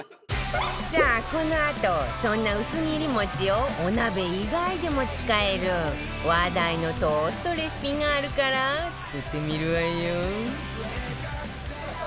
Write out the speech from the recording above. さあこのあとそんなうす切りもちをお鍋以外でも使える話題のトーストレシピがあるから作ってみるわよ